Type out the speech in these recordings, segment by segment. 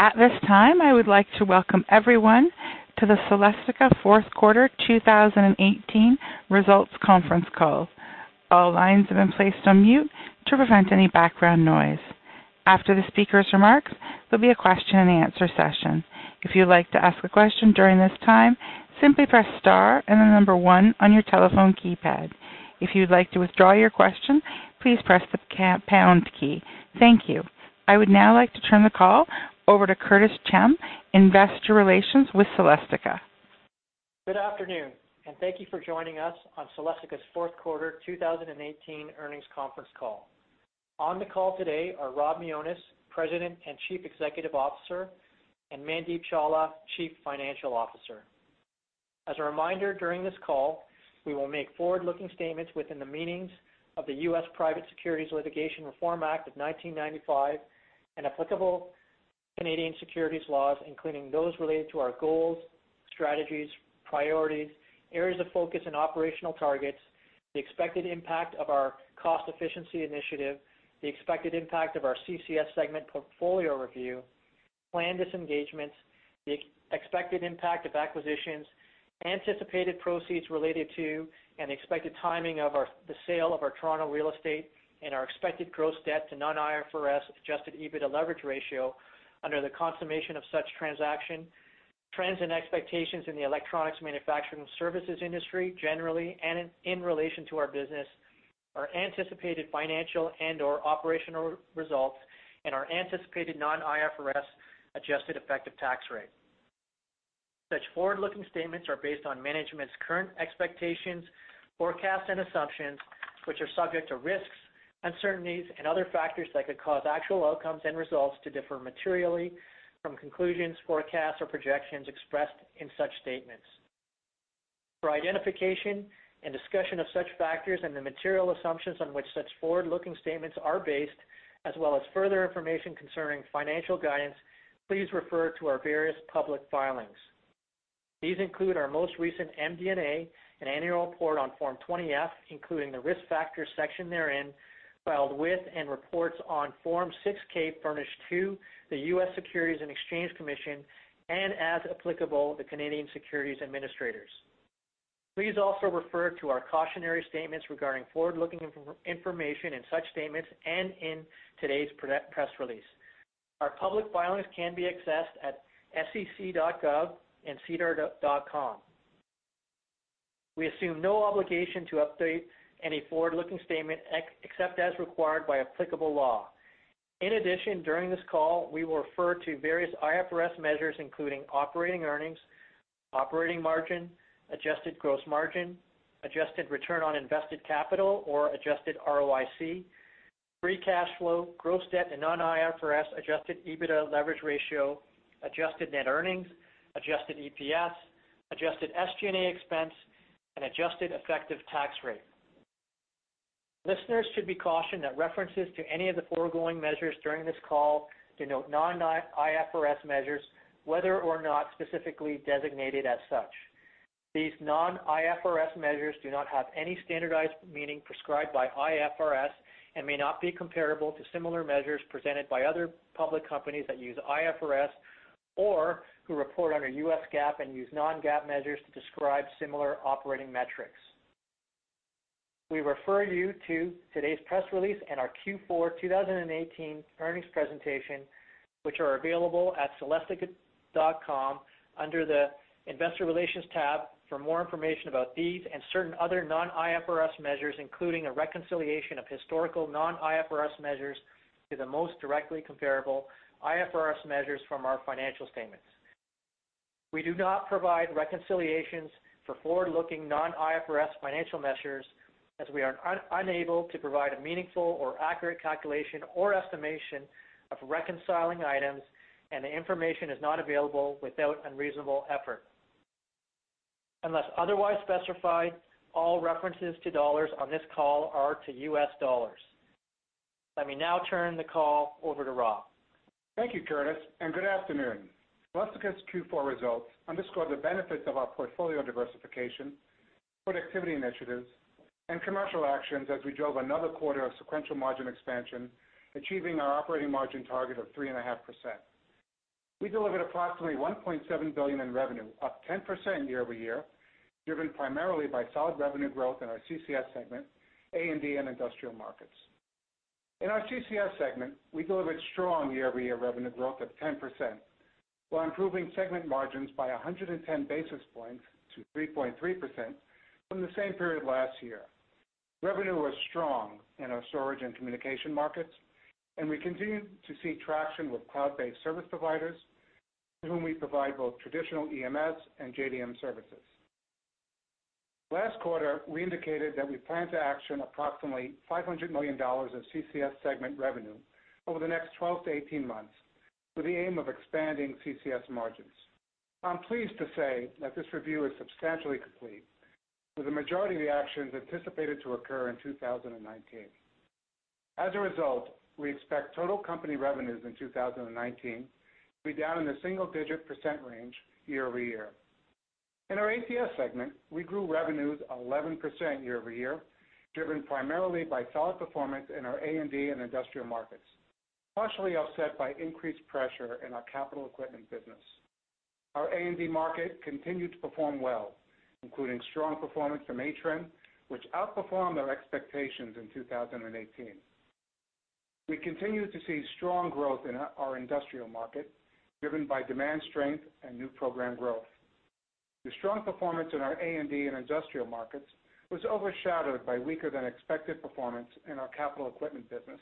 At this time, I would like to welcome everyone to the Celestica fourth quarter 2018 results conference call. All lines have been placed on mute to prevent any background noise. After the speaker's remarks, there will be a question and answer session. If you would like to ask a question during this time, simply press star and the number one on your telephone keypad. If you would like to withdraw your question, please press the pound key. Thank you. I would now like to turn the call over to Curtis Chem, Investor Relations with Celestica. Good afternoon, thank you for joining us on Celestica's fourth quarter 2018 earnings conference call. On the call today are Rob Mionis, President and Chief Executive Officer, and Mandeep Chawla, Chief Financial Officer. As a reminder, during this call, we will make forward-looking statements within the meanings of the U.S. Private Securities Litigation Reform Act of 1995 and applicable Canadian securities laws, including those related to our goals, strategies, priorities, areas of focus and operational targets, the expected impact of our cost efficiency initiative, the expected impact of our CCS segment portfolio review, planned disengagements, the expected impact of acquisitions, anticipated proceeds related to and expected timing of the sale of our Toronto real estate and our expected gross debt to non-IFRS adjusted EBITDA leverage ratio under the consummation of such transaction, trends and expectations in the electronics manufacturing services industry generally and in relation to our business, our anticipated financial and/or operational results, and our anticipated non-IFRS adjusted effective tax rate. Such forward-looking statements are based on management's current expectations, forecasts, and assumptions, which are subject to risks, uncertainties, and other factors that could cause actual outcomes and results to differ materially from conclusions, forecasts, or projections expressed in such statements. For identification and discussion of such factors and the material assumptions on which such forward-looking statements are based, as well as further information concerning financial guidance, please refer to our various public filings. These include our most recent MD&A and annual report on Form 20-F, including the risk factors section therein, filed with and reports on Form 6-K furnished to the U.S. Securities and Exchange Commission and as applicable, the Canadian securities administrators. Please also refer to our cautionary statements regarding forward-looking information in such statements and in today's press release. Our public filings can be accessed at sec.gov and sedar.com. We assume no obligation to update any forward-looking statement except as required by applicable law. In addition, during this call, we will refer to various IFRS measures, including operating earnings, operating margin, adjusted gross margin, adjusted return on invested capital or adjusted ROIC, free cash flow, gross debt and non-IFRS adjusted EBITDA leverage ratio, adjusted net earnings, adjusted EPS, adjusted SG&A expense, and adjusted effective tax rate. Listeners should be cautioned that references to any of the foregoing measures during this call denote non-IFRS measures, whether or not specifically designated as such. These non-IFRS measures do not have any standardized meaning prescribed by IFRS and may not be comparable to similar measures presented by other public companies that use IFRS or who report under US GAAP and use non-GAAP measures to describe similar operating metrics. We refer you to today's press release and our Q4 2018 earnings presentation, which are available at celestica.com under the investor relations tab for more information about these and certain other non-IFRS measures, including a reconciliation of historical non-IFRS measures to the most directly comparable IFRS measures from our financial statements. We do not provide reconciliations for forward-looking non-IFRS financial measures as we are unable to provide a meaningful or accurate calculation or estimation of reconciling items, and the information is not available without unreasonable effort. Unless otherwise specified, all references to dollars on this call are to US dollars. Let me now turn the call over to Rob. Thank you, Curtis, and good afternoon. Celestica's Q4 results underscore the benefits of our portfolio diversification, productivity initiatives, and commercial actions as we drove another quarter of sequential margin expansion, achieving our operating margin target of 3.5%. We delivered approximately $1.7 billion in revenue, up 10% year-over-year, driven primarily by solid revenue growth in our CCS segment, A&D, and industrial markets. In our CCS segment, we delivered strong year-over-year revenue growth of 10%, while improving segment margins by 110 basis points to 3.3% from the same period last year. Revenue was strong in our storage and communication markets, and we continue to see traction with cloud-based service providers to whom we provide both traditional EMS and JDM services. Last quarter, we indicated that we plan to action approximately $500 million of CCS segment revenue over the next 12 to 18 months with the aim of expanding CCS margins. I'm pleased to say that this review is substantially complete, with the majority of the actions anticipated to occur in 2019. As a result, we expect total company revenues in 2019 to be down in the single-digit percent range year-over-year. In our ATS segment, we grew revenues 11% year-over-year, driven primarily by solid performance in our A&D and industrial markets, partially offset by increased pressure in our capital equipment business. Our A&D market continued to perform well, including strong performance from Atrenne, which outperformed our expectations in 2018. We continue to see strong growth in our industrial market, driven by demand strength and new program growth. The strong performance in our A&D and industrial markets was overshadowed by weaker than expected performance in our capital equipment business,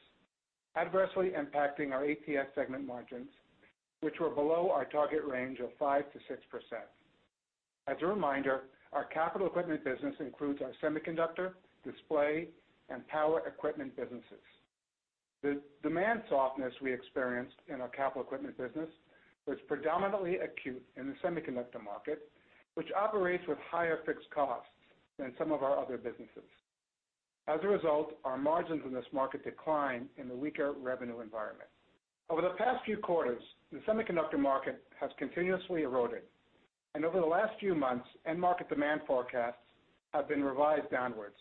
adversely impacting our ATS segment margins, which were below our target range of 5%-6%. As a reminder, our capital equipment business includes our semiconductor, display, and power equipment businesses. The demand softness we experienced in our capital equipment business was predominantly acute in the semiconductor market, which operates with higher fixed costs than some of our other businesses. As a result, our margins in this market declined in the weaker revenue environment. Over the past few quarters, the semiconductor market has continuously eroded. Over the last few months, end market demand forecasts have been revised downwards.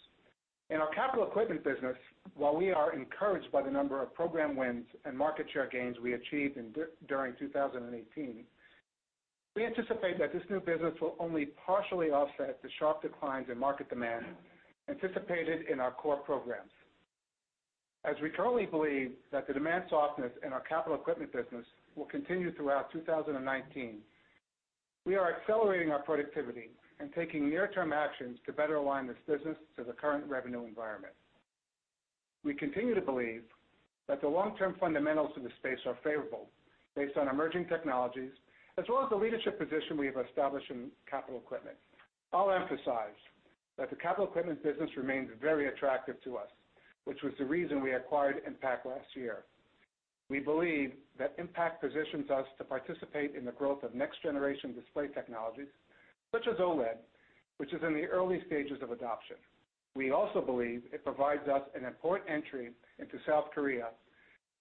In our capital equipment business, while we are encouraged by the number of program wins and market share gains we achieved during 2018, we anticipate that this new business will only partially offset the sharp declines in market demand anticipated in our core programs. As we currently believe that the demand softness in our capital equipment business will continue throughout 2019, we are accelerating our productivity and taking near-term actions to better align this business to the current revenue environment. We continue to believe that the long-term fundamentals of the space are favorable based on emerging technologies, as well as the leadership position we have established in capital equipment. I will emphasize that the capital equipment business remains very attractive to us, which was the reason we acquired Impakt last year. We believe that Impakt positions us to participate in the growth of next generation display technologies such as OLED, which is in the early stages of adoption. We also believe it provides us an important entry into South Korea,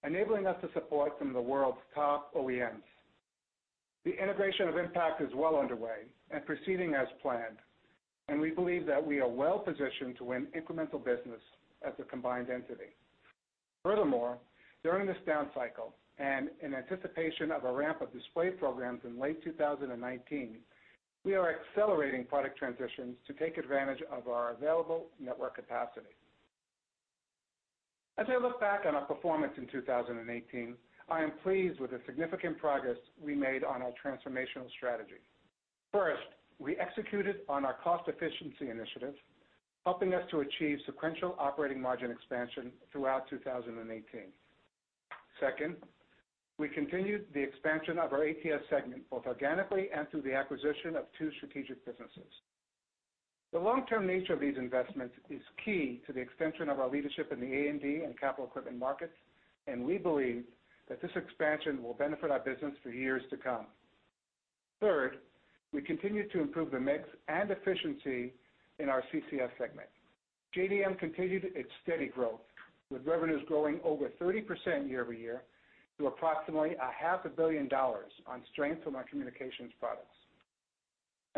enabling us to support some of the world's top OEMs. The integration of Impakt is well underway and proceeding as planned, and we believe that we are well positioned to win incremental business as a combined entity. Furthermore, during this down cycle, and in anticipation of a ramp of display programs in late 2019, we are accelerating product transitions to take advantage of our available network capacity. As I look back on our performance in 2018, I am pleased with the significant progress we made on our transformational strategy. First, we executed on our cost efficiency initiatives, helping us to achieve sequential operating margin expansion throughout 2018. Second, we continued the expansion of our ATS segment, both organically and through the acquisition of two strategic businesses. The long-term nature of these investments is key to the extension of our leadership in the A&D and capital equipment markets, and we believe that this expansion will benefit our business for years to come. Third, we continued to improve the mix and efficiency in our CCS segment. JDM continued its steady growth, with revenues growing over 30% year-over-year to approximately a half a billion dollars on strength of our communications products.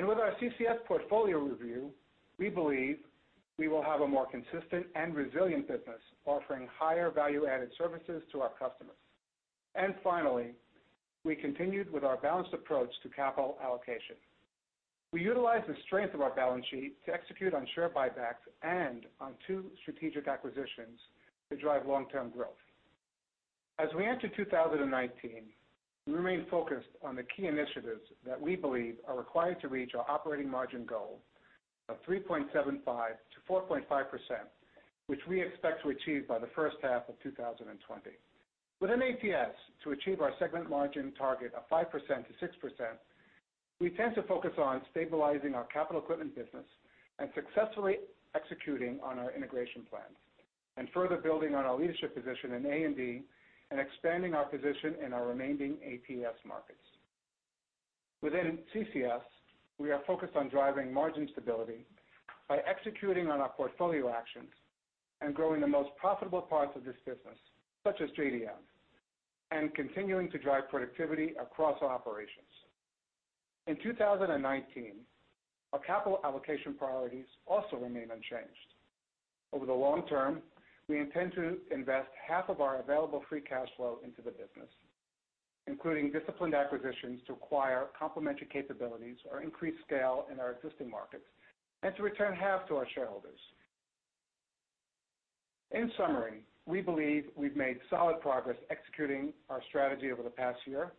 With our CCS portfolio review, we believe we will have a more consistent and resilient business offering higher value-added services to our customers. Finally, we continued with our balanced approach to capital allocation. We utilized the strength of our balance sheet to execute on share buybacks and on two strategic acquisitions to drive long-term growth. As we enter 2019, we remain focused on the key initiatives that we believe are required to reach our operating margin goal of 3.75%-4.5%, which we expect to achieve by the first half of 2020. Within ATS, to achieve our segment margin target of 5%-6%, we intend to focus on stabilizing our capital equipment business and successfully executing on our integration plans, and further building on our leadership position in A&D and expanding our position in our remaining ATS markets. Within CCS, we are focused on driving margin stability by executing on our portfolio actions and growing the most profitable parts of this business, such as JDM, and continuing to drive productivity across our operations. In 2019, our capital allocation priorities also remain unchanged. Over the long term, we intend to invest half of our available free cash flow into the business, including disciplined acquisitions to acquire complementary capabilities or increase scale in our existing markets, and to return half to our shareholders. In summary, we believe we've made solid progress executing our strategy over the past year,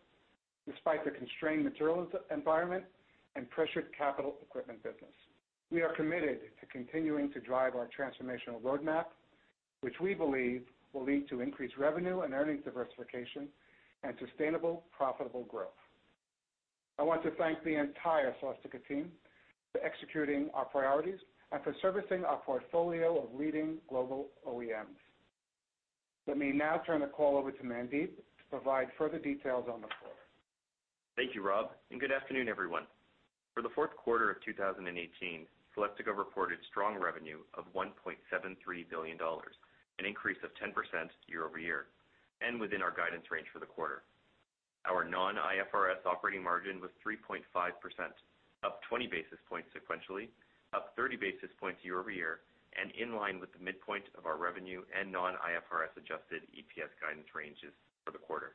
despite the constrained materials environment and pressured capital equipment business. We are committed to continuing to drive our transformational roadmap, which we believe will lead to increased revenue and earnings diversification and sustainable, profitable growth. I want to thank the entire Celestica team for executing our priorities and for servicing our portfolio of leading global OEMs. Let me now turn the call over to Mandeep to provide further details on the quarter. Thank you, Rob, and good afternoon, everyone. For the fourth quarter of 2018, Celestica reported strong revenue of $1.73 billion, an increase of 10% year-over-year. Within our guidance range for the quarter. Our non-IFRS operating margin was 3.5%, up 20 basis points sequentially, up 30 basis points year-over-year, and in line with the midpoint of our revenue and non-IFRS adjusted EPS guidance ranges for the quarter.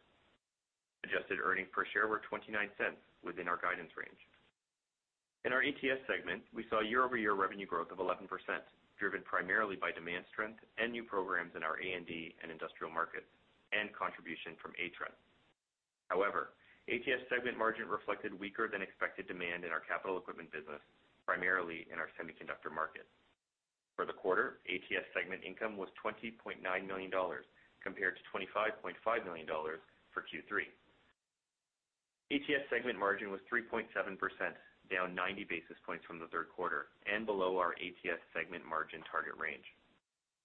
Adjusted earnings per share were $0.29, within our guidance range. In our ATS segment, we saw year-over-year revenue growth of 11%, driven primarily by demand strength and new programs in our A&D and industrial markets and contribution from Atrenne. However, ATS segment margin reflected weaker than expected demand in our capital equipment business, primarily in our semiconductor market. For the quarter, ATS segment income was $20.9 million compared to $25.5 million for Q3. ATS segment margin was 3.7%, down 90 basis points from the third quarter and below our ATS segment margin target range.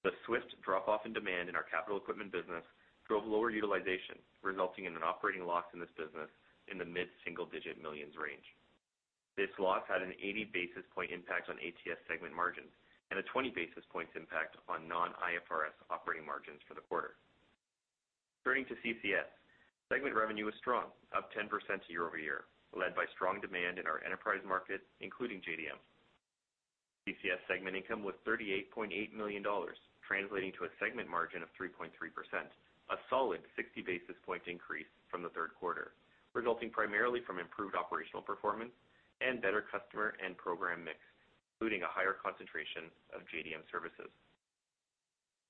The swift drop-off in demand in our capital equipment business drove lower utilization, resulting in an operating loss in this business in the mid-single-digit millions range. This loss had an 80 basis point impact on ATS segment margins and a 20 basis points impact on non-IFRS operating margins for the quarter. Turning to CCS. Segment revenue was strong, up 10% year-over-year, led by strong demand in our enterprise market, including JDM. CCS segment income was $38.8 million, translating to a segment margin of 3.3%, a solid 60 basis point increase from the third quarter, resulting primarily from improved operational performance and better customer and program mix, including a higher concentration of JDM services.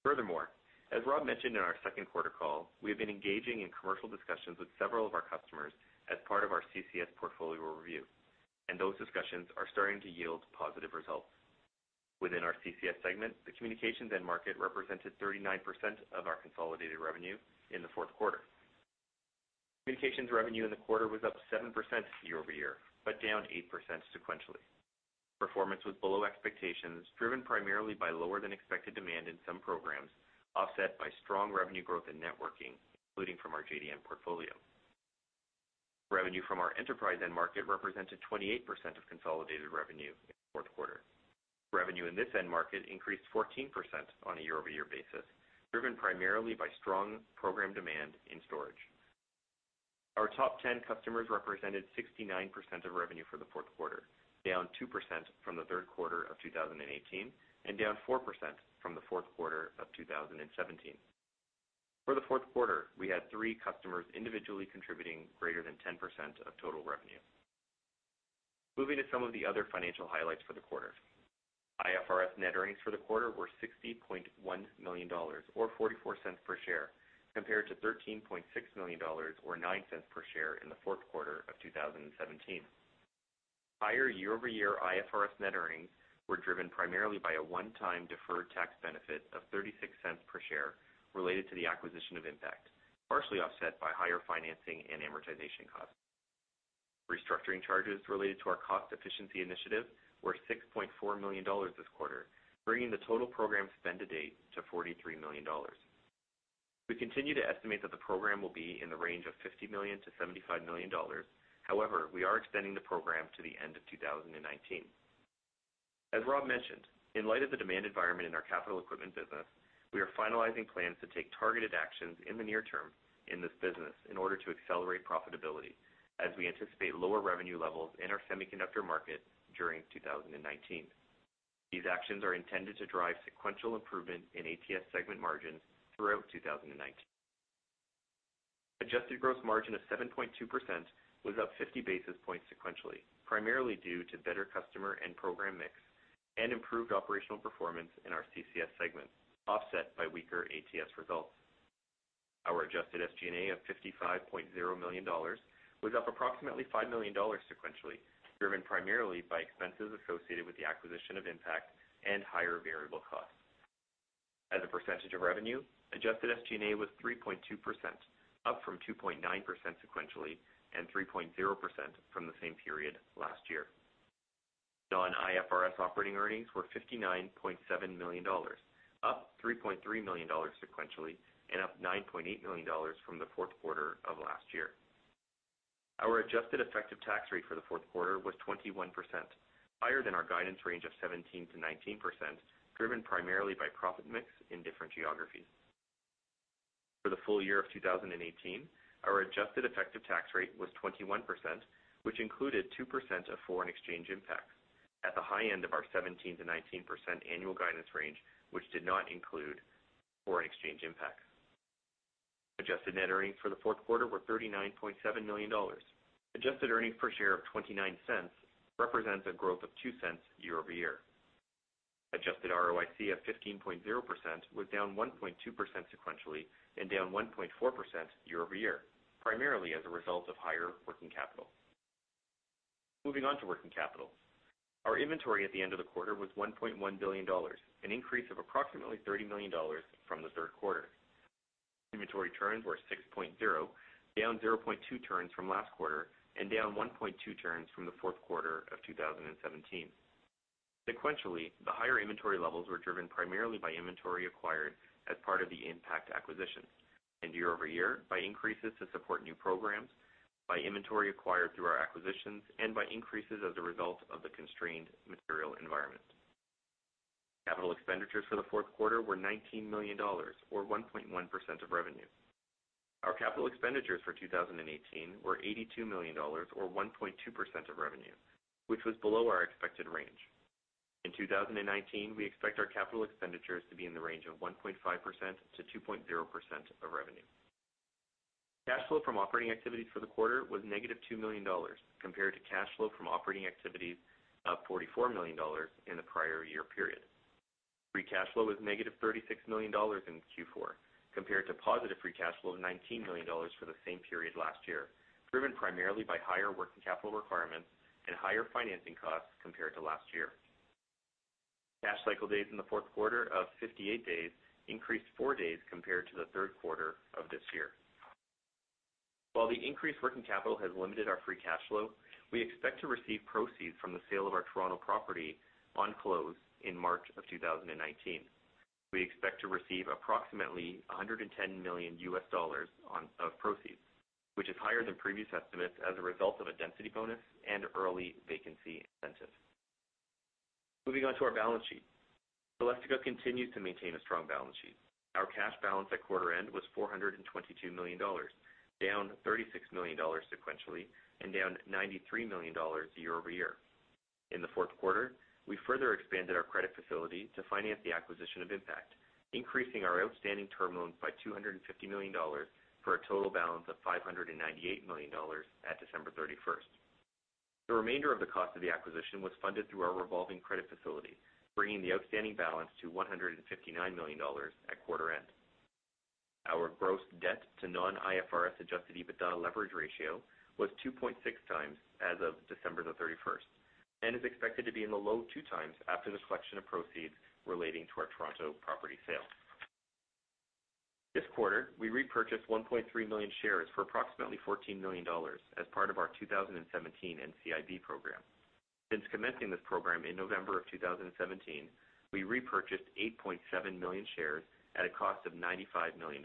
Furthermore, as Rob mentioned in our second quarter call, we have been engaging in commercial discussions with several of our customers as part of our CCS portfolio review, and those discussions are starting to yield positive results. Within our CCS segment, the communications end market represented 39% of our consolidated revenue in the fourth quarter. Communications revenue in the quarter was up 7% year-over-year, but down 8% sequentially. Performance was below expectations, driven primarily by lower than expected demand in some programs, offset by strong revenue growth in networking, including from our JDM portfolio. Revenue from our enterprise end market represented 28% of consolidated revenue in the fourth quarter. Revenue in this end market increased 14% on a year-over-year basis, driven primarily by strong program demand in storage. Our top 10 customers represented 69% of revenue for the fourth quarter, down 2% from the third quarter of 2018 and down 4% from the fourth quarter of 2017. For the fourth quarter, we had three customers individually contributing greater than 10% of total revenue. Moving to some of the other financial highlights for the quarter. IFRS net earnings for the quarter were $60.1 million, or $0.44 per share, compared to $13.6 million, or $0.09 per share in the fourth quarter of 2017. Higher year-over-year IFRS net earnings were driven primarily by a one-time deferred tax benefit of $0.36 per share related to the acquisition of Impakt, partially offset by higher financing and amortization costs. Restructuring charges related to our cost efficiency initiative were $6.4 million this quarter, bringing the total program spend to date to $43 million. We continue to estimate that the program will be in the range of $50 million to $75 million. However, we are extending the program to the end of 2019. As Rob mentioned, in light of the demand environment in our capital equipment business, we are finalizing plans to take targeted actions in the near term in this business in order to accelerate profitability as we anticipate lower revenue levels in our semiconductor market during 2019. These actions are intended to drive sequential improvement in ATS segment margins throughout 2019. Adjusted gross margin of 7.2% was up 50 basis points sequentially, primarily due to better customer and program mix and improved operational performance in our CCS segment, offset by weaker ATS results. Our adjusted SG&A of $55.0 million was up approximately $5 million sequentially, driven primarily by expenses associated with the acquisition of Impakt and higher variable costs. As a percentage of revenue, adjusted SG&A was 3.2%, up from 2.9% sequentially and 3.0% from the same period last year. Non-IFRS operating earnings were $59.7 million, up $3.3 million sequentially and up $9.8 million from the fourth quarter of last year. Our adjusted effective tax rate for the fourth quarter was 21%, higher than our guidance range of 17%-19%, driven primarily by profit mix in different geographies. For the full year of 2018, our adjusted effective tax rate was 21%, which included 2% of foreign exchange impacts at the high end of our 17%-19% annual guidance range, which did not include foreign exchange impacts. Adjusted net earnings for the fourth quarter were $39.7 million. Adjusted earnings per share of $0.29 represents a growth of $0.02 year-over-year. Adjusted ROIC of 15.0% was down 1.2% sequentially and down 1.4% year-over-year, primarily as a result of higher working capital. Moving on to working capital. Our inventory at the end of the quarter was $1.1 billion, an increase of approximately $30 million from the third quarter. Inventory turns were 6.0, down 0.2 turns from last quarter and down 1.2 turns from the fourth quarter of 2017. Sequentially, the higher inventory levels were driven primarily by inventory acquired as part of the Impakt acquisition, and year-over-year by increases to support new programs, by inventory acquired through our acquisitions, and by increases as a result of the constrained material environment. Capital expenditures for the fourth quarter were $19 million, or 1.1% of revenue. Our capital expenditures for 2018 were $82 million, or 1.2% of revenue, which was below our expected range. In 2019, we expect our capital expenditures to be in the range of 1.5%-2.0% of revenue. Cash flow from operating activities for the quarter was negative $2 million compared to cash flow from operating activities of $44 million in the prior year period. Free cash flow was negative $36 million in Q4 compared to positive free cash flow of $19 million for the same period last year, driven primarily by higher working capital requirements and higher financing costs compared to last year. Cash cycle days in the fourth quarter of 58 days increased four days compared to the third quarter of this year. While the increased working capital has limited our free cash flow, we expect to receive proceeds from the sale of our Toronto property on close in March of 2019. We expect to receive approximately $110 million USD of proceeds, which is higher than previous estimates as a result of a density bonus and early vacancy incentive. Moving on to our balance sheet. Celestica continues to maintain a strong balance sheet. Our cash balance at quarter end was $422 million, down $36 million sequentially and down $93 million year-over-year. In the fourth quarter, we further expanded our credit facility to finance the acquisition of Impakt, increasing our outstanding term loans by $250 million for a total balance of $598 million at December 31st. The remainder of the cost of the acquisition was funded through our revolving credit facility, bringing the outstanding balance to $159 million at quarter end. Our gross debt to non-IFRS adjusted EBITDA leverage ratio was 2.6 times as of December the 31st, and is expected to be in the low two times after the collection of proceeds relating to our Toronto property sale. This quarter, we repurchased 1.3 million shares for approximately $14 million as part of our 2017 NCIB program. Since commencing this program in November of 2017, we repurchased 8.7 million shares at a cost of $95 million.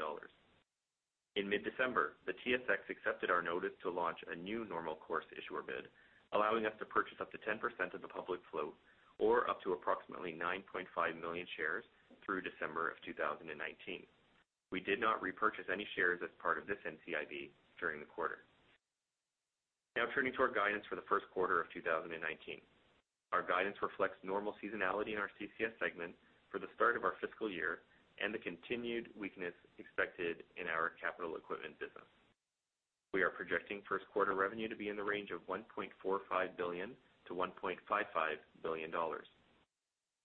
In mid-December, the TSX accepted our notice to launch a new normal course issuer bid, allowing us to purchase up to 10% of the public float or up to approximately 9.5 million shares through December of 2019. We did not repurchase any shares as part of this NCIB during the quarter. Now turning to our guidance for the first quarter of 2019. Our guidance reflects normal seasonality in our CCS segment for the start of our fiscal year and the continued weakness expected in our capital equipment business. We are projecting first quarter revenue to be in the range of $1.45 billion-$1.55 billion.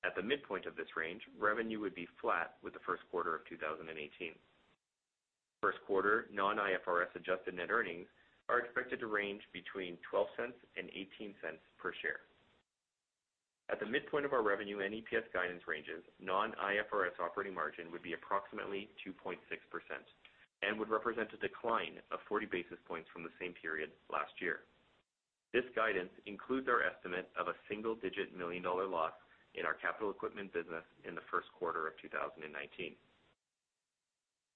At the midpoint of this range, revenue would be flat with the first quarter of 2018. First quarter non-IFRS adjusted net earnings are expected to range between $0.12 and $0.18 per share. At the midpoint of our revenue and EPS guidance ranges, non-IFRS operating margin would be approximately 2.6% and would represent a decline of 40 basis points from the same period last year. This guidance includes our estimate of a single-digit million-dollar loss in our capital equipment business in the first quarter of 2019.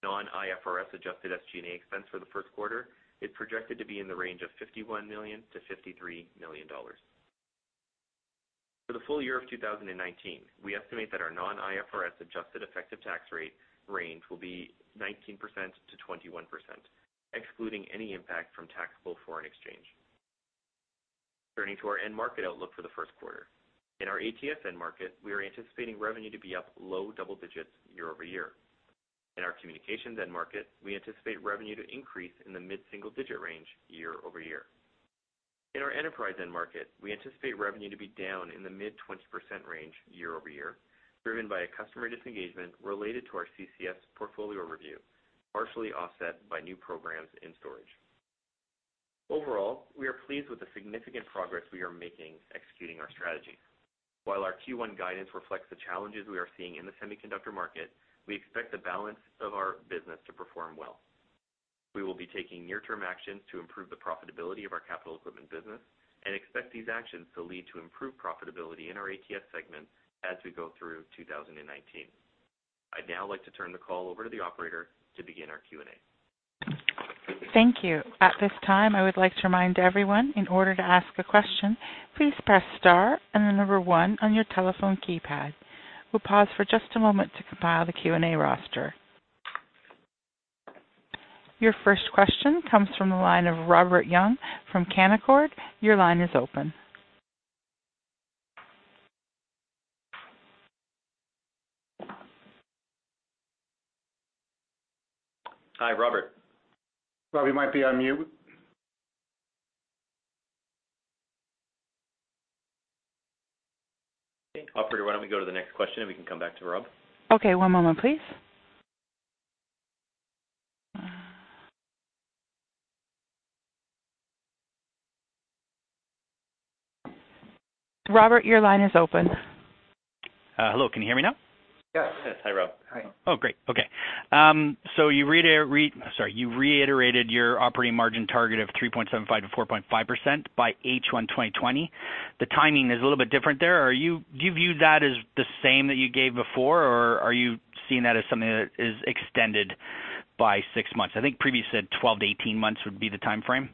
Non-IFRS adjusted SG&A expense for the first quarter is projected to be in the range of $51 million-$53 million. For the full year of 2019, we estimate that our non-IFRS adjusted effective tax rate range will be 19%-21%, excluding any impact from taxable foreign exchange. Turning to our end market outlook for the first quarter. In our ATS end market, we are anticipating revenue to be up low double digits year-over-year. In our communications end market, we anticipate revenue to increase in the mid-single digit range year-over-year. In our enterprise end market, we anticipate revenue to be down in the mid-20% range year-over-year, driven by a customer disengagement related to our CCS portfolio review, partially offset by new programs in storage. Overall, we are pleased with the significant progress we are making executing our strategy. While our Q1 guidance reflects the challenges we are seeing in the semiconductor market, we expect the balance of our business to perform well. We will be taking near-term actions to improve the profitability of our capital equipment business and expect these actions to lead to improved profitability in our ATS segment as we go through 2019. I'd now like to turn the call over to the operator to begin our Q&A. Thank you. At this time, I would like to remind everyone, in order to ask a question, please press star and the number one on your telephone keypad. We will pause for just a moment to compile the Q&A roster. Your first question comes from the line of Robert Young from Canaccord. Your line is open. Hi, Robert. Robert, you might be on mute. Okay. Operator, why don't we go to the next question, and we can come back to Rob? Okay. One moment please. Robert, your line is open. Hello, can you hear me now? Yes. Yes. Hi, Rob. Great. Okay. You reiterated your operating margin target of 3.75%-4.5% by H1 2020. The timing is a little bit different there. Do you view that as the same that you gave before, or are you seeing that as something that is extended by six months? I think previous said 12-18 months would be the timeframe.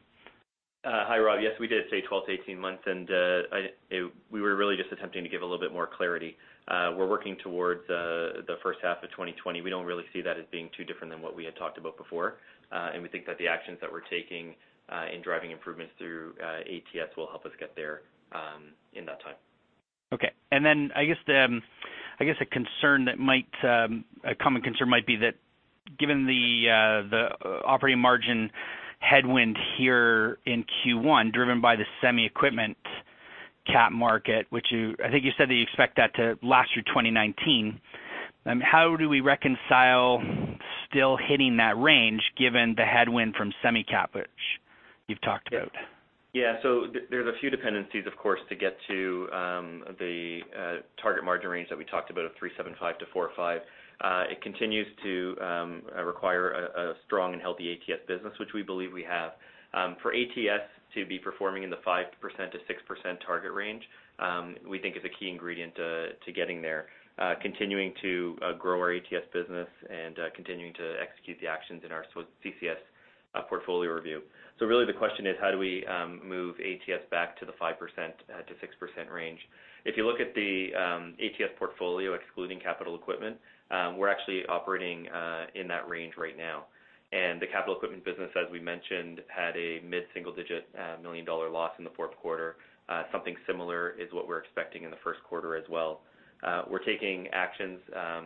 Hi, Rob. Yes, we did say 12-18 months, we were really just attempting to give a little bit more clarity. We're working towards the first half of 2020. We don't really see that as being too different than what we had talked about before. We think that the actions that we're taking in driving improvements through ATS will help us get there in that time. Okay. I guess a common concern might be that given the operating margin headwind here in Q1, driven by the semi equipment cap market, which I think you said that you expect that to last through 2019. How do we reconcile still hitting that range given the headwind from semi cap, which you've talked about? Yeah. There's a few dependencies, of course, to get to the target margin range that we talked about of 375 to 45. It continues to require a strong and healthy ATS business, which we believe we have. For ATS to be performing in the 5%-6% target range, we think is a key ingredient to getting there. Continuing to grow our ATS business and continuing to execute the actions in our CCS portfolio review. Really the question is how do we move ATS back to the 5%-6% range? If you look at the ATS portfolio excluding capital equipment, we're actually operating in that range right now. The capital equipment business, as we mentioned, had a mid-single digit million-dollar loss in the fourth quarter. Something similar is what we're expecting in the first quarter as well. We're taking actions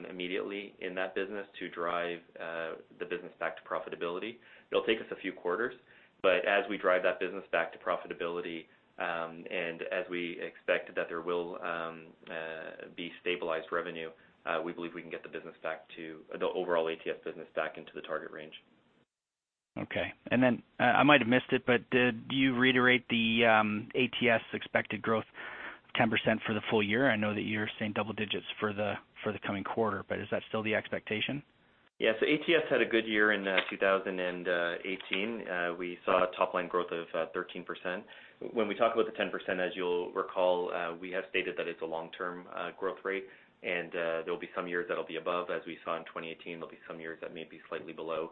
immediately in that business to drive the business back to profitability. It'll take us a few quarters, but as we drive that business back to profitability, as we expect that there will be stabilized revenue, we believe we can get the overall ATS business back into the target range. Okay. I might have missed it, but did you reiterate the ATS expected growth of 10% for the full year? I know that you're saying double digits for the coming quarter, but is that still the expectation? Yeah. ATS had a good year in 2018. We saw a top-line growth of 13%. When we talk about the 10%, as you'll recall, we have stated that it's a long-term growth rate, and there'll be some years that'll be above, as we saw in 2018. There'll be some years that may be slightly below.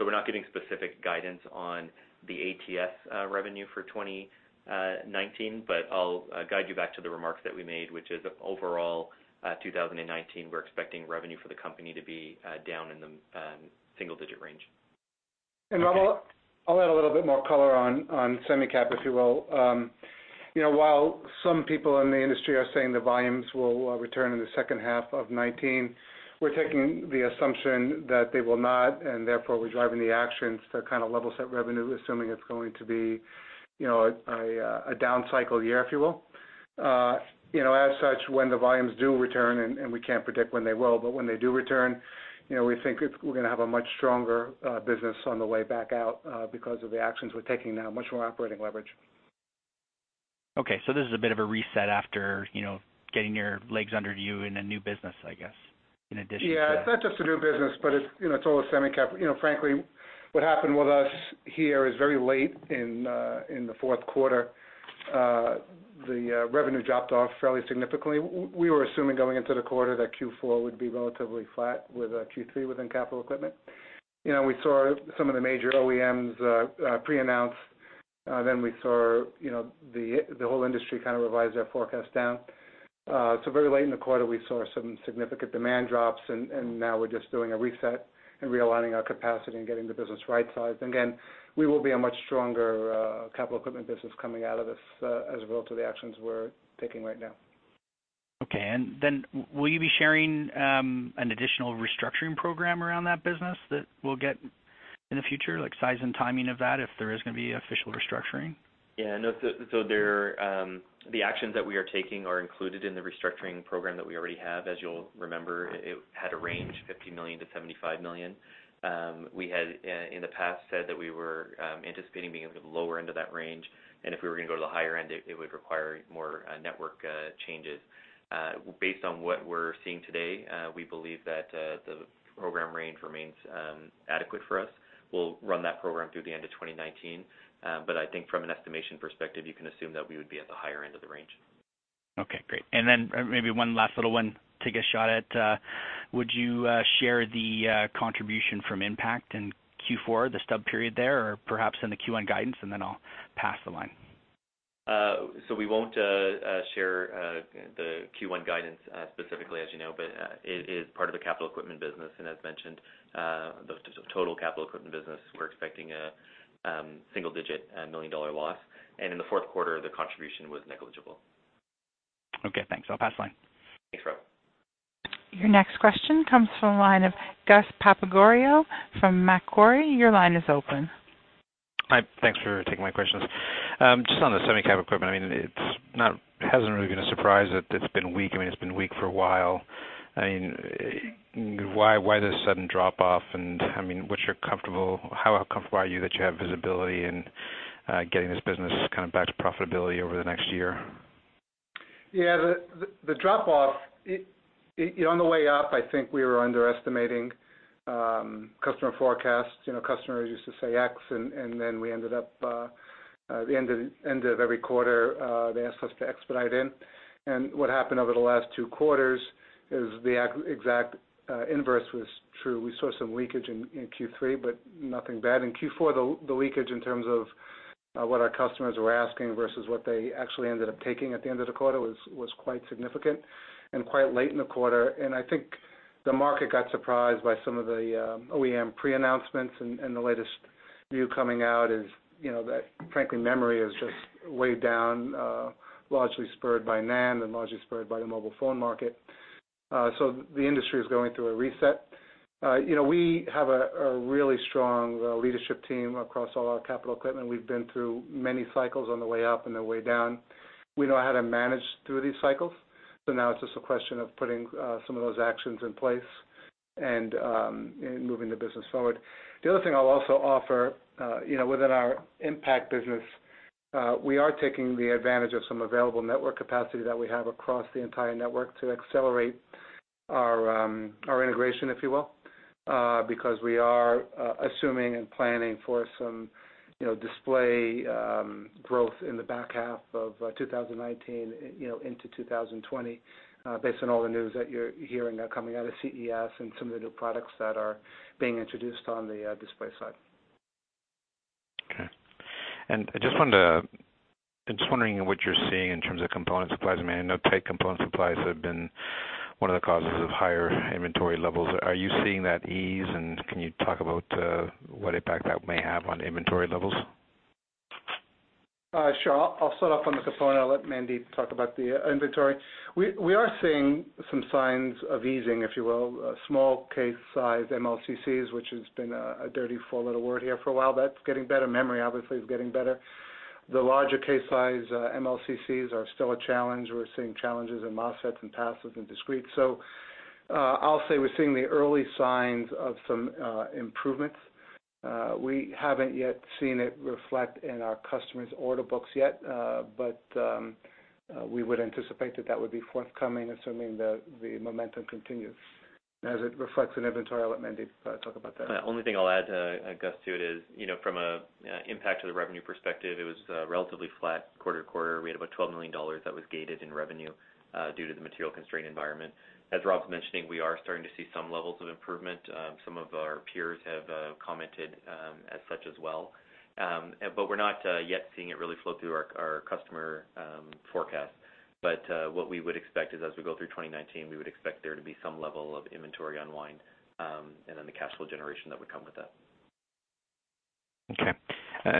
We're not giving specific guidance on the ATS revenue for 2019. I'll guide you back to the remarks that we made, which is overall 2019, we're expecting revenue for the company to be down in the single-digit range. Okay. Rob, I'll add a little bit more color on semi cap, if you will. While some people in the industry are saying the volumes will return in the second half of 2019, we're taking the assumption that they will not, and therefore we're driving the actions to kind of level-set revenue, assuming it's going to be a down cycle year, if you will. As such, when the volumes do return, and we can't predict when they will, but when they do return, we think we're going to have a much stronger business on the way back out because of the actions we're taking now, much more operating leverage. Okay, this is a bit of a reset after getting your legs under you in a new business, I guess. Yeah, it's not just a new business, it's all a semi cap. Frankly, what happened with us here is very late in the fourth quarter, the revenue dropped off fairly significantly. We were assuming going into the quarter that Q4 would be relatively flat with Q3 within capital equipment. We saw some of the major OEMs pre-announce, we saw the whole industry kind of revise their forecast down. Very late in the quarter, we saw some significant demand drops, and now we're just doing a reset and realigning our capacity and getting the business right-sized. Again, we will be a much stronger capital equipment business coming out of this, as a result of the actions we're taking right now. Okay. Then will you be sharing an additional restructuring program around that business that we'll get in the future, like size and timing of that, if there is going to be official restructuring? Yeah, no. The actions that we are taking are included in the restructuring program that we already have. As you'll remember, it had a range of $50 million-$75 million. We had, in the past, said that we were anticipating being at the lower end of that range, and if we were going to go to the higher end, it would require more network changes. Based on what we're seeing today, we believe that the program range remains adequate for us. We'll run that program through the end of 2019. I think from an estimation perspective, you can assume that we would be at the higher end of the range. Okay, great. Then maybe one last little one, take a shot at. Would you share the contribution from Impakt in Q4, the stub period there? Perhaps in the Q1 guidance, then I'll pass the line. We won't share the Q1 guidance specifically, as you know, but it is part of the capital equipment business. As mentioned, the total capital equipment business, we're expecting a single-digit million-dollar loss. In the fourth quarter, the contribution was negligible. Okay, thanks. I'll pass the line. Thanks, Rob. Your next question comes from the line of Gus Papageorgiou from Macquarie. Your line is open. Hi. Thanks for taking my questions. Just on the semi cap equipment, it hasn't really been a surprise that it's been weak. It's been weak for a while. Why the sudden drop off? How comfortable are you that you have visibility in getting this business back to profitability over the next year? The drop off, on the way up, I think we were underestimating customer forecasts. Customers used to say X. Then we ended up, the end of every quarter, they asked us to expedite in. What happened over the last two quarters is the exact inverse was true. We saw some leakage in Q3, nothing bad. In Q4, the leakage in terms of what our customers were asking versus what they actually ended up taking at the end of the quarter was quite significant and quite late in the quarter. I think the market got surprised by some of the OEM pre-announcements. The latest view coming out is that, frankly, memory is just way down, largely spurred by NAND and largely spurred by the mobile phone market. The industry is going through a reset. We have a really strong leadership team across all our capital equipment. We've been through many cycles on the way up and the way down. We know how to manage through these cycles. Now it's just a question of putting some of those actions in place and moving the business forward. The other thing I'll also offer, within our Impakt business, we are taking the advantage of some available network capacity that we have across the entire network to accelerate our integration, if you will, because we are assuming and planning for some display growth in the back half of 2019 into 2020, based on all the news that you're hearing coming out of CES and some of the new products that are being introduced on the display side. I'm just wondering what you're seeing in terms of component supplies. I know tight component supplies have been one of the causes of higher inventory levels. Are you seeing that ease? Can you talk about what impact that may have on inventory levels? I'll start off on the component. I'll let Mandeep talk about the inventory. We are seeing some signs of easing, if you will. Small case size MLCCs, which has been a dirty four-letter word here for a while, that's getting better. Memory, obviously, is getting better. The larger case size MLCCs are still a challenge. We're seeing challenges in MOSFETs and passives and discrete. I'll say we're seeing the early signs of some improvements. We haven't yet seen it reflect in our customers' order books yet. We would anticipate that that would be forthcoming, assuming the momentum continues. As it reflects in inventory, I'll let Mandeep talk about that. The only thing I'll add, Gus, to it is, from an to the revenue perspective, it was relatively flat quarter-to-quarter. We had about $12 million that was gated in revenue due to the material constraint environment. As Rob's mentioning, we are starting to see some levels of improvement. Some of our peers have commented as such as well. We're not yet seeing it really flow through our customer forecast. What we would expect is as we go through 2019, we would expect there to be some level of inventory unwind, and then the cash flow generation that would come with that. Okay.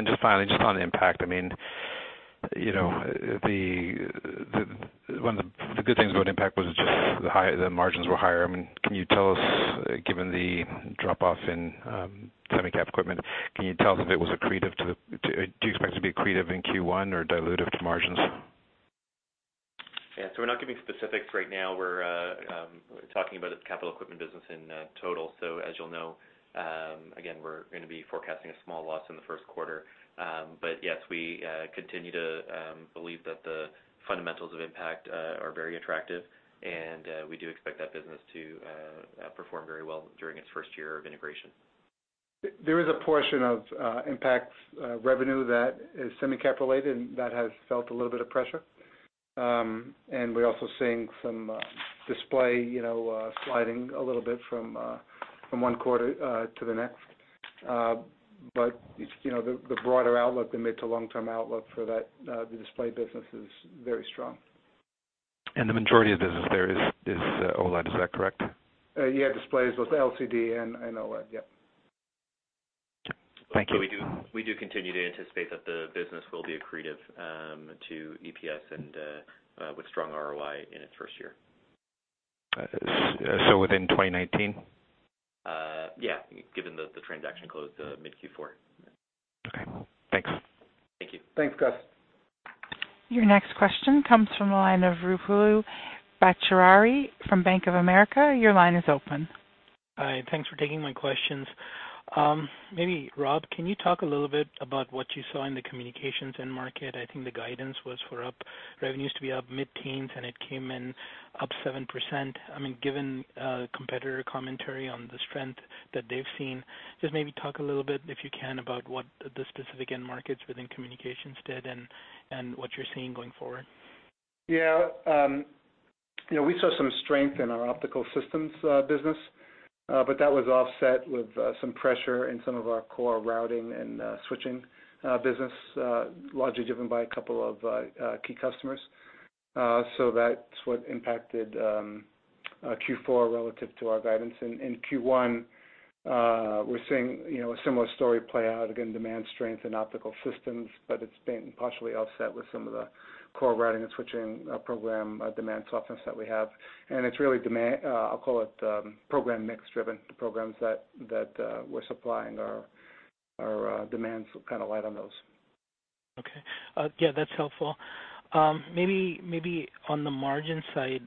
Just finally, just on Impakt, one of the good things about Impakt was just the margins were higher. Given the drop-off in semi-cap equipment, do you expect it to be accretive in Q1 or dilutive to margins? Yeah. We're not giving specifics right now. We're talking about its capital equipment business in total. As you'll know, again, we're going to be forecasting a small loss in the first quarter. Yes, we continue to believe that the fundamentals of Impakt are very attractive, and we do expect that business to perform very well during its first year of integration. There is a portion of Impakt's revenue that is semi-cap related, and that has felt a little bit of pressure. We're also seeing some display sliding a little bit from one quarter to the next. The broader outlook, the mid-to-long-term outlook for the display business is very strong. The majority of the business there is OLED; is that correct? Yeah, displays. Both LCD and OLED. Yeah. Thank you. We do continue to anticipate that the business will be accretive to EPS and with strong ROI in its first year. Within 2019? Given that the transaction closed mid Q4. Thanks. Thank you. Thanks, Gus. Your next question comes from the line of Ruplu Bhattacharya from Bank of America. Your line is open. Hi. Thanks for taking my questions. Maybe Rob, can you talk a little bit about what you saw in the communications end market? I think the guidance was for revenues to be up mid-teens. It came in up 7%. Given competitor commentary on the strength that they've seen, just maybe talk a little bit, if you can, about what the specific end markets within communications did and what you're seeing going forward. Yeah. We saw some strength in our optical systems business. That was offset with some pressure in some of our core routing and switching business, largely driven by a couple of key customers. That's what impacted Q4 relative to our guidance. In Q1, we're seeing a similar story play out. Again, demand strength in optical systems. It's been partially offset with some of the core routing and switching program demand softness that we have. It's really, I'll call it program mix driven. The programs that we're supplying, our demands kind of light on those. Okay. Yeah, that's helpful. Maybe on the margin side,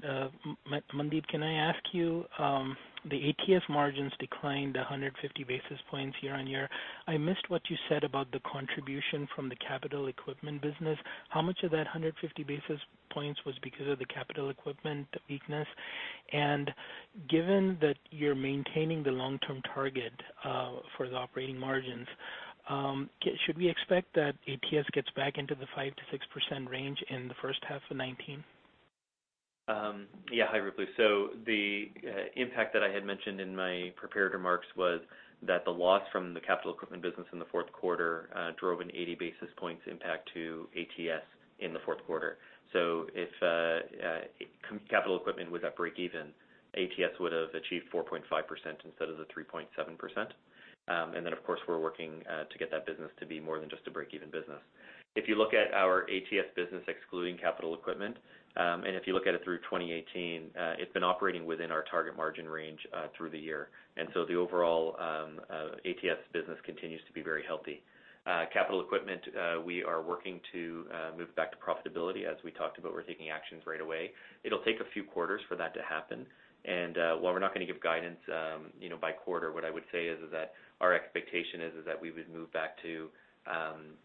Mandeep, can I ask you, the ATS margins declined 150 basis points year-over-year. I missed what you said about the contribution from the capital equipment business. How much of that 150 basis points was because of the capital equipment weakness? Given that you're maintaining the long-term target for the operating margins, should we expect that ATS gets back into the 5%-6% range in the first half of 2019? Yeah. Hi, Ruplu. The impact that I had mentioned in my prepared remarks was that the loss from the capital equipment business in the fourth quarter drove an 80 basis points impact to ATS in the fourth quarter. If capital equipment was at breakeven, ATS would have achieved 4.5% instead of the 3.7%. Of course, we're working to get that business to be more than just a breakeven business. If you look at our ATS business excluding capital equipment, and if you look at it through 2018, it's been operating within our target margin range through the year. The overall ATS business continues to be very healthy. Capital equipment, we are working to move back to profitability, as we talked about. We're taking actions right away. It'll take a few quarters for that to happen, while we're not going to give guidance by quarter, what I would say is that our expectation is that we would move back to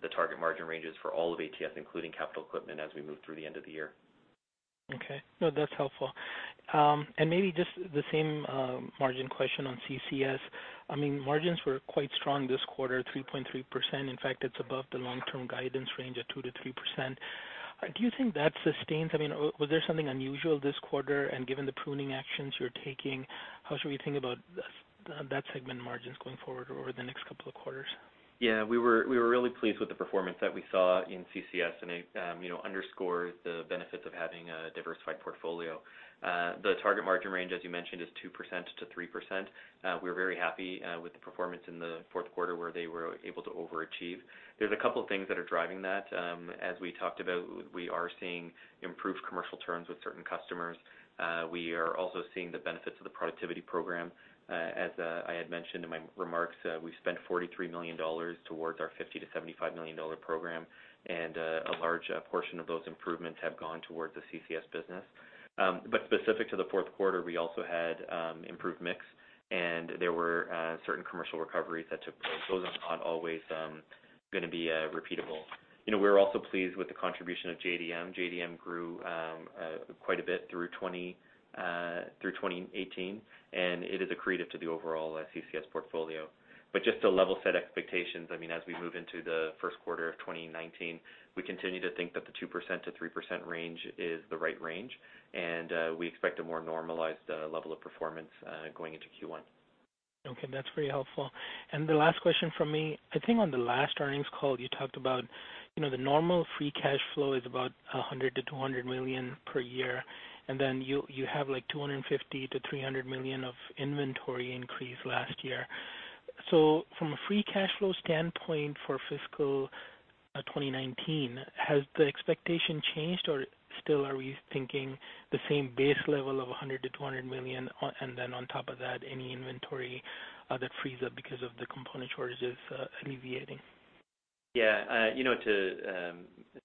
the target margin ranges for all of ATS, including capital equipment, as we move through the end of the year. Okay. No, that's helpful. Maybe just the same margin question on CCS. Margins were quite strong this quarter, 3.3%. In fact, it's above the long-term guidance range of 2%-3%. Do you think that sustains? Was there something unusual this quarter? Given the pruning actions you're taking, how should we think about that segment in margins going forward over the next couple of quarters? Yeah, we were really pleased with the performance that we saw in CCS, and it underscores the benefits of having a diversified portfolio. The target margin range, as you mentioned, is 2%-3%. We're very happy with the performance in the fourth quarter where they were able to overachieve. There's a couple things that are driving that. As we talked about, we are seeing improved commercial terms with certain customers. We are also seeing the benefits of the productivity program. As I had mentioned in my remarks, we've spent $43 million towards our $50 million-$75 million program, and a large portion of those improvements have gone towards the CCS business. Specific to the fourth quarter, we also had improved mix, and there were certain commercial recoveries that took place. Those are not always going to be repeatable. We're also pleased with the contribution of JDM. JDM grew quite a bit through 2018, and it is accretive to the overall CCS portfolio. Just to level set expectations, as we move into the first quarter of 2019, we continue to think that the 2%-3% range is the right range, and we expect a more normalized level of performance going into Q1. Okay, that's very helpful. The last question from me, I think on the last earnings call, you talked about the normal free cash flow is about $100 million-$200 million per year, and then you have $250 million-$300 million of inventory increase last year. From a free cash flow standpoint for fiscal 2019, has the expectation changed, or still are we thinking the same base level of $100 million-$200 million, and then on top of that, any inventory that frees up because of the component shortages alleviating? Yeah.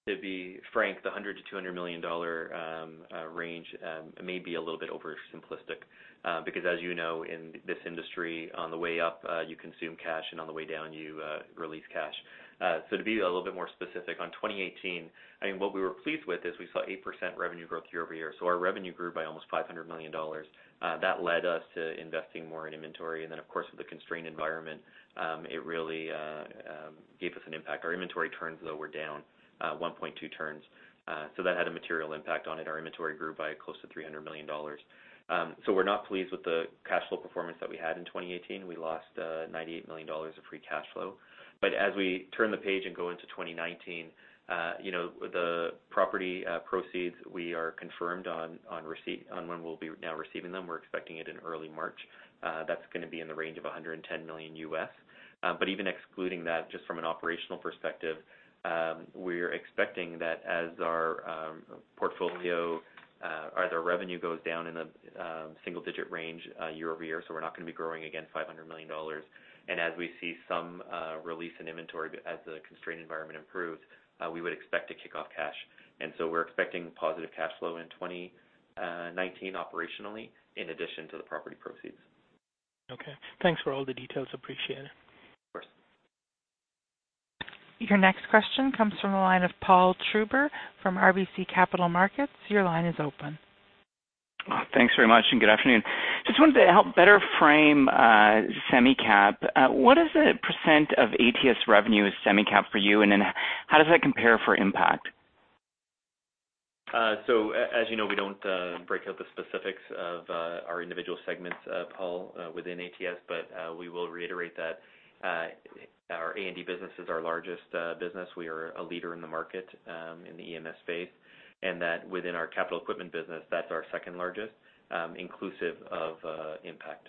To be frank, the $100 million-$200 million range may be a little bit over simplistic, because as you know, in this industry, on the way up, you consume cash, and on the way down, you release cash. To be a little bit more specific, on 2018, what we were pleased with is we saw 8% revenue growth year-over-year. Our revenue grew by almost $500 million. That led us to investing more in inventory, and then of course, with the constrained environment, it really gave us an impact. Our inventory turns, though, were down 1.2 turns. That had a material impact on it. Our inventory grew by close to $300 million. We're not pleased with the cash flow performance that we had in 2018. We lost $98 million of free cash flow. As we turn the page and go into 2019, the property proceeds we are confirmed on when we'll be now receiving them. We're expecting it in early March. That's going to be in the range of $110 million. Even excluding that, just from an operational perspective, we're expecting that as our revenue goes down in a single-digit range year-over-year, so we're not going to be growing again $500 million, and as we see some release in inventory as the constrained environment improves, we would expect to kick off cash. We're expecting positive cash flow in 2019 operationally in addition to the property proceeds. Okay. Thanks for all the details. Appreciate it. Of course. Your next question comes from the line of Paul Treiber from RBC Capital Markets. Your line is open. Thanks very much and good afternoon. Just wanted to help better frame semi-cap. What is the % of ATS revenue is semi-cap for you, and then how does that compare for Impakt? As you know, we don't break out the specifics of our individual segments, Paul, within ATS, but we will reiterate that our A&D business is our largest business. We are a leader in the market in the EMS space, and that within our capital equipment business, that's our second largest, inclusive of Impakt.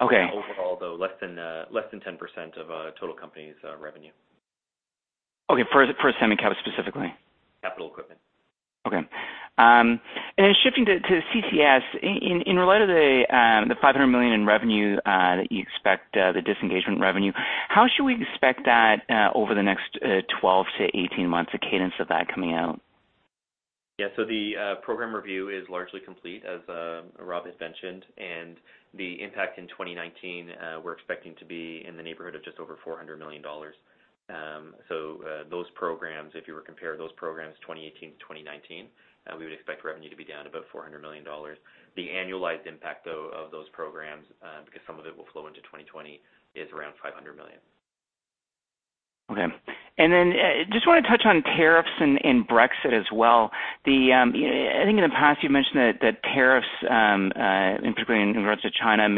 Okay. Overall, though, less than 10% of total company's revenue. Okay. For semi-cap specifically. Capital equipment. Okay. Shifting to CCS, in light of the $500 million in revenue that you expect, the disengagement revenue, how should we expect that over the next 12 to 18 months, the cadence of that coming out? Yeah. The program review is largely complete, as Rob has mentioned, the impact in 2019, we're expecting to be in the neighborhood of just over $400 million. Those programs, if you were compare those programs 2018 to 2019, we would expect revenue to be down about $400 million. The annualized impact, though, of those programs, because some of it will flow into 2020, is around $500 million. Okay. Just want to touch on tariffs and Brexit as well. I think in the past you've mentioned that tariffs, in particular in regards to China,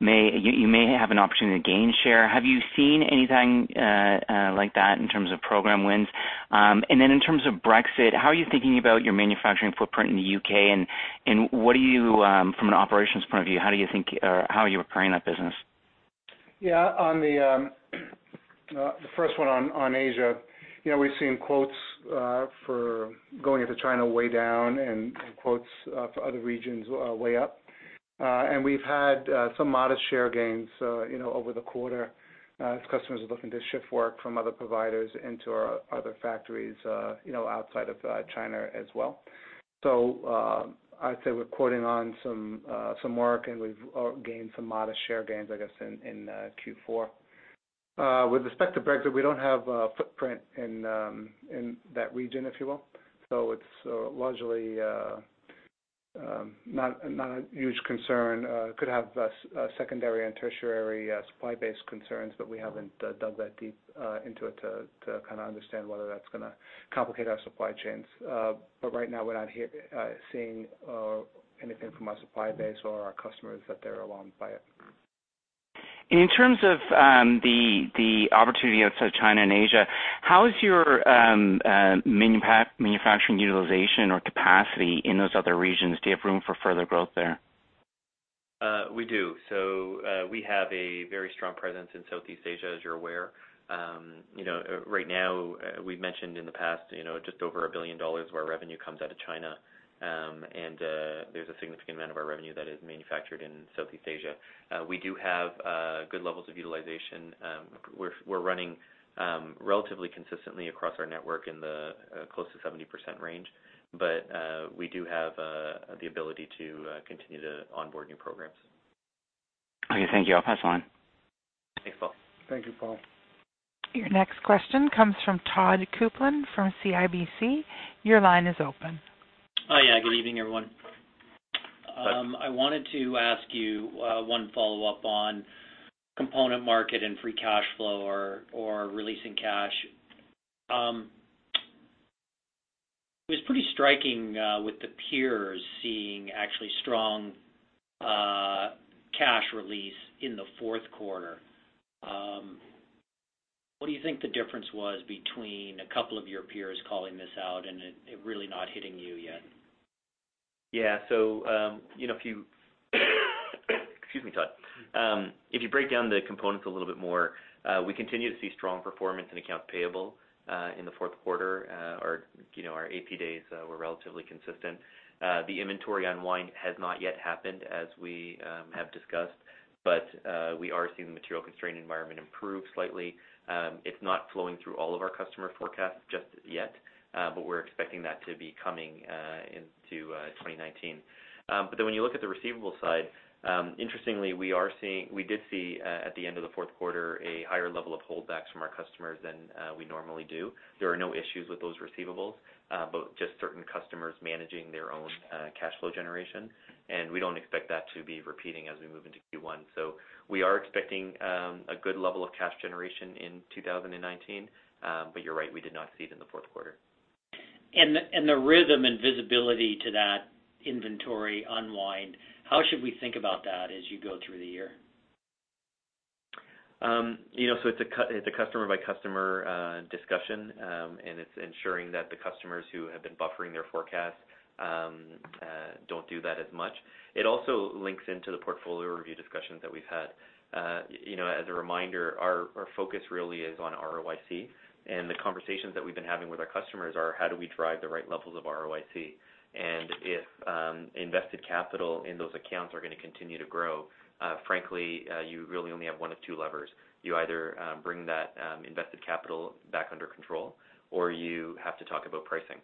you may have an opportunity to gain share. Have you seen anything like that in terms of program wins? In terms of Brexit, how are you thinking about your manufacturing footprint in the U.K. and what are you, from an operations point of view, how are you preparing that business? Yeah. On the first one on Asia, we've seen quotes for going into China way down and quotes for other regions way up. We've had some modest share gains over the quarter as customers are looking to shift work from other providers into our other factories outside of China as well. I'd say we're quoting on some work and we've gained some modest share gains, I guess, in Q4. With respect to Brexit, we don't have a footprint in that region, if you will, so it's largely not a huge concern. Could have secondary and tertiary supply base concerns, but we haven't dug that deep into it to kind of understand whether that's going to complicate our supply chains. Right now, we're not seeing anything from our supply base or our customers that they're alarmed by it. In terms of the opportunity outside China and Asia, how is your manufacturing utilization or capacity in those other regions? Do you have room for further growth there? We do. We have a very strong presence in Southeast Asia, as you're aware. Right now, we've mentioned in the past, just over $1 billion of our revenue comes out of China. There's a significant amount of our revenue that is manufactured in Southeast Asia. We do have good levels of utilization. We're running relatively consistently across our network in the close to 70% range, but we do have the ability to continue to onboard new programs. Okay, thank you. I'll pass it on. Thanks, Paul. Thank you, Paul. Your next question comes from Todd Coupland from CIBC. Your line is open. Hi. Good evening, everyone. Todd. I wanted to ask you one follow-up on component market and free cash flow or releasing cash. It was pretty striking with the peers seeing actually strong cash release in the fourth quarter. What do you think the difference was between a couple of your peers calling this out and it really not hitting you yet? If you excuse me, Todd. If you break down the components a little bit more, we continue to see strong performance in accounts payable in the fourth quarter. Our AP days were relatively consistent. The inventory unwind has not yet happened, as we have discussed, we are seeing the material constrained environment improve slightly. It's not flowing through all of our customer forecasts just yet, we're expecting that to be coming into 2019. When you look at the receivable side, interestingly, we did see, at the end of the fourth quarter, a higher level of holdbacks from our customers than we normally do. There are no issues with those receivables, just certain customers managing their own cash flow generation, we don't expect that to be repeating as we move into Q1. We are expecting a good level of cash generation in 2019, you're right, we did not see it in the fourth quarter. The rhythm and visibility to that inventory unwind, how should we think about that as you go through the year? It's a customer-by-customer discussion. It's ensuring that the customers who have been buffering their forecasts don't do that as much. It also links into the portfolio review discussions that we've had. As a reminder, our focus really is on ROIC. The conversations that we've been having with our customers are how do we drive the right levels of ROIC. If invested capital in those accounts are going to continue to grow, frankly, you really only have one of two levers. You either bring that invested capital back under control, or you have to talk about pricing.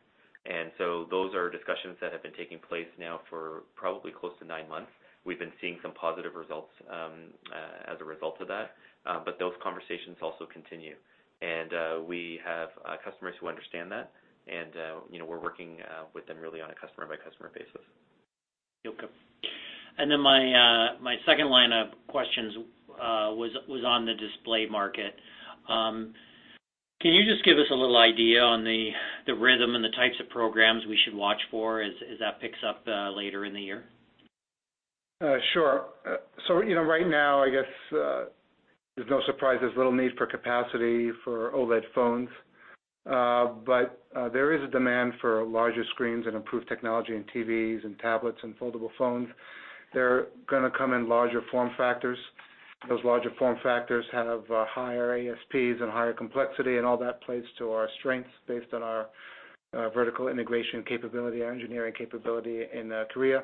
Those are discussions that have been taking place now for probably close to nine months. We've been seeing some positive results as a result of that. Those conversations also continue, and we have customers who understand that, and we're working with them really on a customer-by-customer basis. Okay. My second line of questions was on the display market. Can you just give us a little idea on the rhythm and the types of programs we should watch for as that picks up later in the year? Sure. Right now, I guess there's no surprises, little need for capacity for OLED phones. There is a demand for larger screens and improved technology in TVs and tablets and foldable phones. They're going to come in larger form factors. Those larger form factors have higher ASPs and higher complexity, and all that plays to our strengths based on our vertical integration capability, our engineering capability in Korea.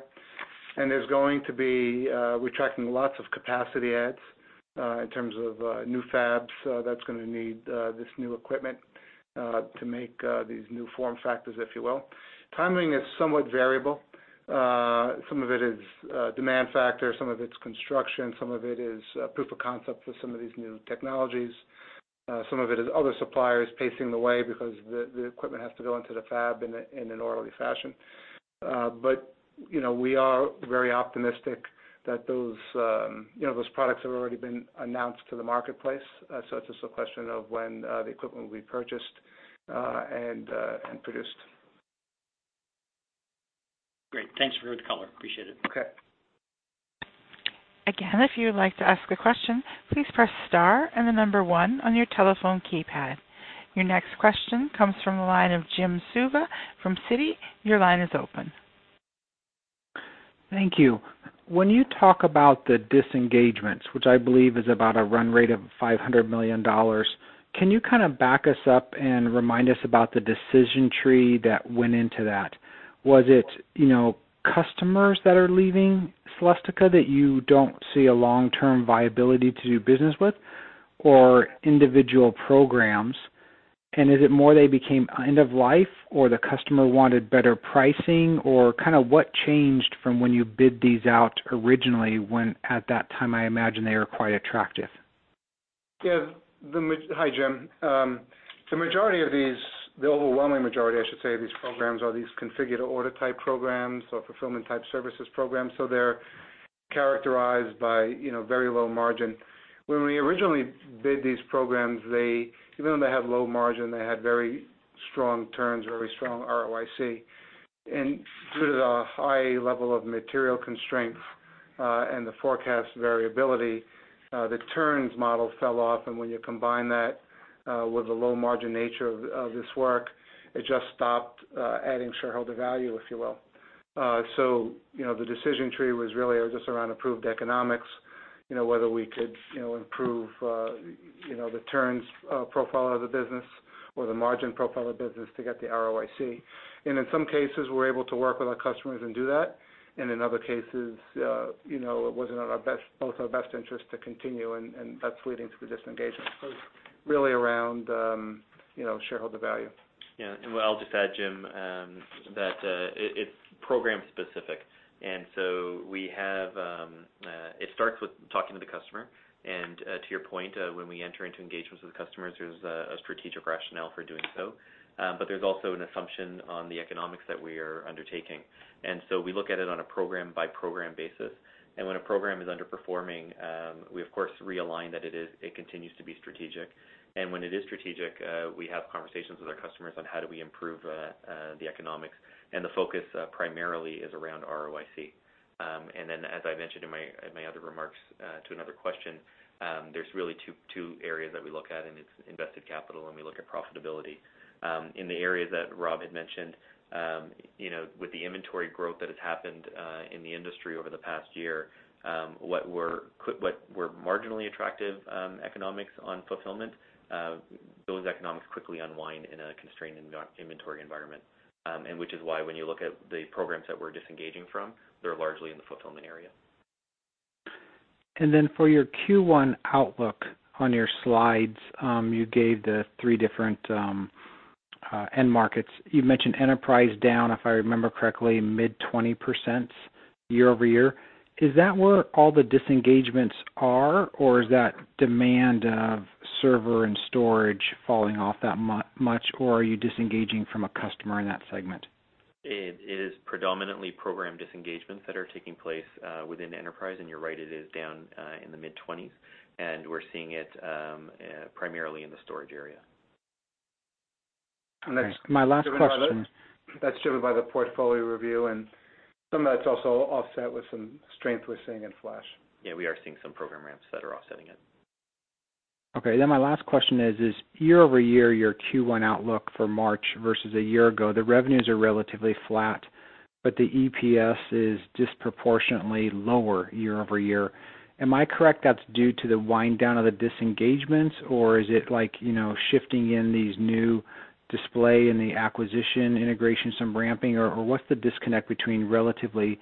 There's going to be We're tracking lots of capacity adds in terms of new fabs. That's going to need this new equipment to make these new form factors, if you will. Timing is somewhat variable. Some of it is demand factor, some of it's construction, some of it is proof of concept for some of these new technologies. Some of it is other suppliers pacing the way because the equipment has to go into the fab in an orderly fashion. We are very optimistic that those products have already been announced to the marketplace. It's just a question of when the equipment will be purchased and produced. Great. Thanks for the color. Appreciate it. Okay. If you would like to ask a question, please press star and the number one on your telephone keypad. Your next question comes from the line of Jim Suva from Citi. Your line is open. Thank you. When you talk about the disengagements, which I believe is about a run rate of $500 million, can you kind of back us up and remind us about the decision tree that went into that? Was it customers that are leaving Celestica that you don't see a long-term viability to do business with, or individual programs? Is it more they became end of life, or the customer wanted better pricing? What changed from when you bid these out originally, when at that time, I imagine they were quite attractive? Yeah. Hi, Jim. The majority of these, the overwhelming majority, I should say, of these programs are these configure-to-order type programs or fulfillment type services programs. They're characterized by very low margin. When we originally bid these programs, even though they had low margin, they had very strong turns, very strong ROIC. Due to the high level of material constraints, and the forecast variability, the turns model fell off. When you combine that with the low margin nature of this work, it just stopped adding shareholder value, if you will. The decision tree was really just around approved economics, whether we could improve the turns profile of the business or the margin profile of business to get the ROIC. In some cases, we're able to work with our customers and do that. In other cases, it wasn't in both our best interest to continue, and that's leading to the disengagement. It's really around shareholder value. I'll just add, Jim, that it's program specific. It starts with talking to the customer. To your point, when we enter into engagements with customers, there's a strategic rationale for doing so. There's also an assumption on the economics that we are undertaking. We look at it on a program-by-program basis. When a program is underperforming, we of course realign that it continues to be strategic. When it is strategic, we have conversations with our customers on how do we improve the economics. The focus primarily is around ROIC. Then, as I mentioned in my other remarks to another question, there's really two areas that we look at, and it's invested capital, and we look at profitability. In the area that Rob had mentioned, with the inventory growth that has happened in the industry over the past year, what were marginally attractive economics on fulfillment, those economics quickly unwind in a constrained inventory environment. Which is why when you look at the programs that we're disengaging from, they're largely in the fulfillment area. For your Q1 outlook on your slides, you gave the three different end markets. You mentioned enterprise down, if I remember correctly, mid-20% year-over-year. Is that where all the disengagements are, or is that demand of server and storage falling off that much, or are you disengaging from a customer in that segment? It is predominantly program disengagements that are taking place within enterprise, and you're right, it is down in the mid-20s. We're seeing it primarily in the storage area. That's my last question. That's driven by the portfolio review, and some of that's also offset with some strength we're seeing in flash. Yeah, we are seeing some program ramps that are offsetting it. My last question is, year-over-year, your Q1 outlook for March versus a year ago, the revenues are relatively flat, but the EPS is disproportionately lower year-over-year. Am I correct that is due to the wind down of the disengagements, or is it like shifting in these new display and the acquisition integration, some ramping, or what is the disconnect between relatively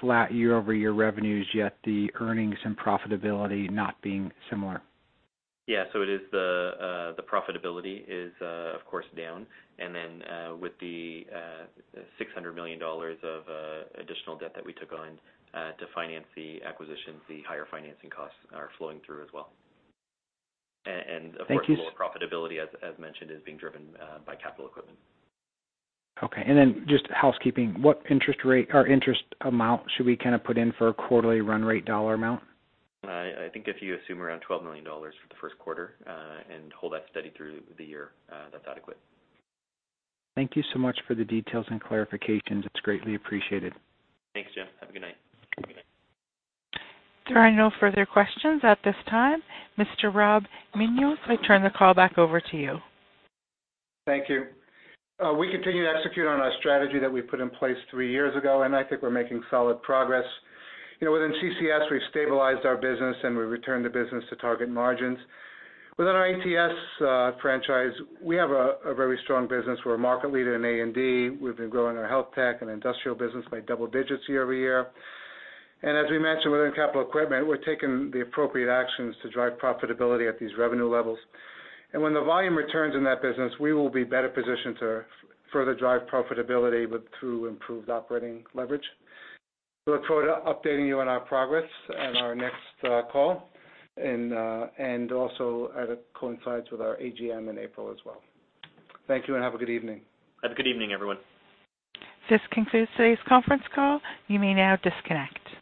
flat year-over-year revenues, yet the earnings and profitability not being similar? The profitability is, of course, down. With the $600 million of additional debt that we took on to finance the acquisitions, the higher financing costs are flowing through as well. Thank you. Of course, lower profitability, as mentioned, is being driven by capital equipment. Okay. Just housekeeping, what interest rate or interest amount should we put in for a quarterly run rate dollar amount? I think if you assume around $12 million for the first quarter, and hold that steady through the year, that's adequate. Thank you so much for the details and clarifications. It's greatly appreciated. Thanks, Jim. Have a good night. Good night. There are no further questions at this time. Mr. Rob Mionis, I turn the call back over to you. Thank you. We continue to execute on our strategy that we put in place three years ago, and I think we're making solid progress. Within CCS, we've stabilized our business, and we've returned the business to target margins. Within our ATS franchise, we have a very strong business. We're a market leader in A&D. We've been growing our health tech and industrial business by double digits year-over-year. As we mentioned within capital equipment, we're taking the appropriate actions to drive profitability at these revenue levels. When the volume returns in that business, we will be better positioned to further drive profitability through improved operating leverage. We look forward to updating you on our progress on our next call, and also as it coincides with our AGM in April as well. Thank you and have a good evening. Have a good evening, everyone. This concludes today's conference call. You may now disconnect.